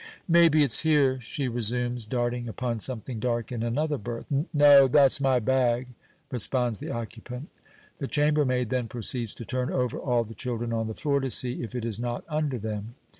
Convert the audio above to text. "Maybe it's here," she resumes, darting upon something dark in another berth. "No, that's my bag," responds the occupant. The chambermaid then proceeds to turn over all the children on the floor, to see if it is not under them.